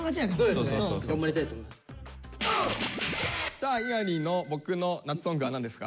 さあ猪狩の「ボクの夏ソング」は何ですか？